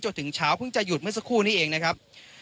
จนถึงเช้าเพิ่งจะหยุดเมื่อสักครู่นี้เองนะครับ